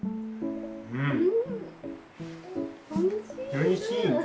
おいしい。